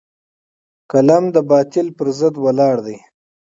قلم د باطل پر ضد ولاړ دی